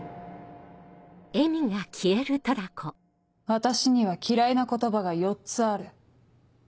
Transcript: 私には嫌いな言葉が４つある。